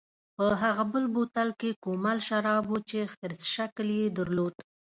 په هغه بل بوتل کې کومل شراب و چې خرس شکل یې درلود.